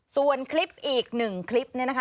ส่วนคลิปอีกหนึ่งคลิปนี้นะคะ